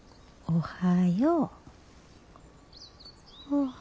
おはよう。